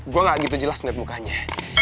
gue gak gitu jelas melihat mukanya